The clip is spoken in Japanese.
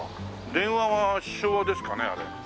電話は昭和ですかねあれ。